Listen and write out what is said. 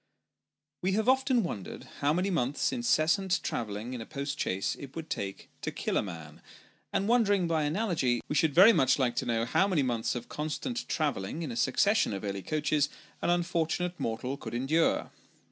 WE have often wondered how many months' incessant travelling in. a post chaise it would take to kill a man ; and wondering by analogy, we should very much like to know how many months of travelling in a succession of early coaches, an unfortunate mortal could endure.